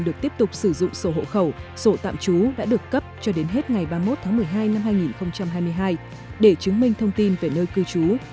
được tiếp tục sử dụng sổ hộ khẩu sổ tạm trú đã được cấp cho đến hết ngày ba mươi một tháng một mươi hai năm hai nghìn hai mươi hai để chứng minh thông tin về nơi cư trú